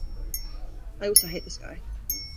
I also hate this guy.